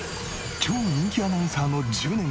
超人気アナウンサーの１０年後。